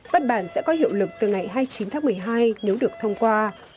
bất bản sẽ có hiệu lực từ ngày hai mươi chín tháng một mươi hai nếu được thông qua